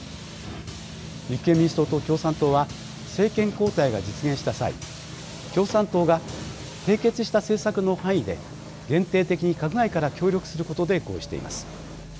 立憲民主党と共産党は政権交代が実現した際共産党が締結した政策の範囲で限定的に閣外から協力することで合意しています。